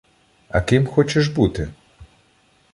— А ким хочеш бути?